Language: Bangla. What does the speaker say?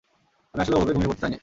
আমি আসলে ওভাবে ঘুমিয়ে পড়তে চাইনি।